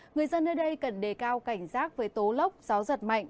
người dân nơi đây cần đề cao cảnh giác với tố lốc gió giật mạnh